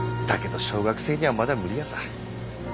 だけど小学生にはまだ無理ヤサ。